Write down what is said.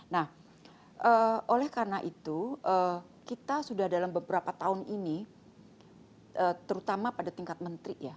nah oleh karena itu kita sudah dalam beberapa tahun ini terutama pada tingkat menteri ya